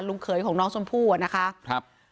ลุงเขยของน้องชมพู่อะนะคะ